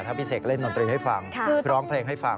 ถ้าพี่เสกเล่นดนตรีให้ฟังร้องเพลงให้ฟัง